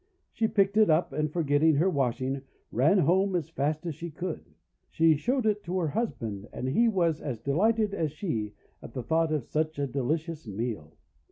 She picked it up, and, forgetting her washing, ran home as fast as she could. She showed it to her husband, and he was as delighted as she at the thought of such a delicious meal.